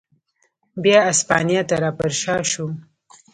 بیا اسپانیا ته را پرشا شو.